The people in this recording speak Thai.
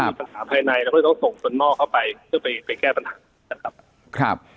ปัญหาภายในเราก็จะต้องส่งคนหม้อเข้าไปเพื่อไปแก้ปัญหานะครับ